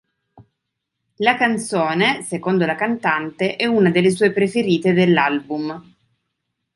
La canzone, secondo la cantante, è una delle sue preferite dell'album.